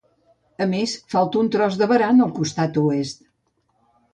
A més, falta un tros de barana al costat oest.